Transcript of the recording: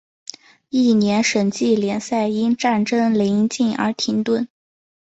翌年省际联赛因战争临近而停顿。